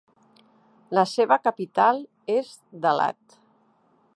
La seva capital és Da Lat.